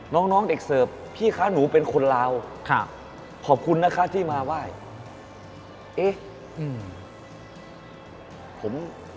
น้องเด็กเสิร์ฟพี่คะหนูเป็นคนราวขอบคุณนะคะที่มาไหว้